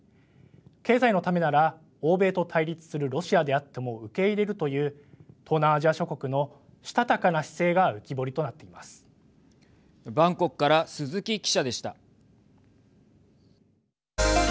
経済のためなら欧米と対立するロシアであっても受け入れるという東南アジア諸国のしたたかな姿勢がバンコクから鈴木記者でした。